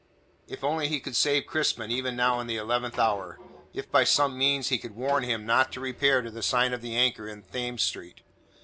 If only he could save Crispin even now in the eleventh hour; if by some means he could warn him not to repair to the sign of the Anchor in Thames Street.